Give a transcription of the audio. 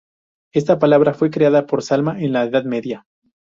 Esta palabra fue creada por Salma en la edad media.